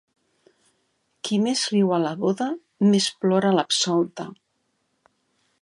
Qui més riu a la boda, més plora a l'absolta.